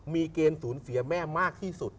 มีเกณฑ์สูญเสียแม่มากที่สุด